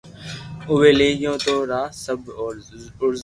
اووي لئي گيو تو را سب اورزا